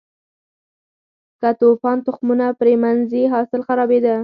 که توپان تخمونه پرې منځي، حاصل خرابېده.